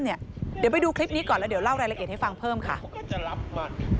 เดี๋ยวไปดูคลิปนี้ก่อนแล้วเดี๋ยวเล่ารายละเอียดให้ฟังเพิ่มค่ะ